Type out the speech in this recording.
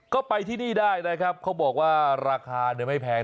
ก็ไปที่นี่ได้นะครับเขาบอกว่าราคาไม่แพง